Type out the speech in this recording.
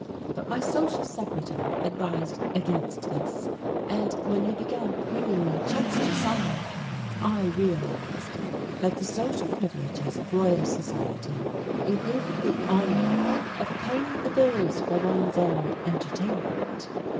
But my social secretary advised against this; and, when he began bringing me checks to sign, I realized that the social privileges of Royal Society included the honour of paying the bills for one's own entertainment.